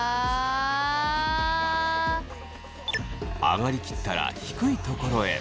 上がり切ったら低いところへ。